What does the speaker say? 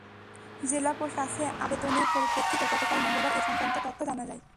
জেলা প্রশাসনের কাছে আবেদনের পরিপ্রেক্ষিতে গতকাল মঙ্গলবার এ-সংক্রান্ত তথ্য জানা যায়।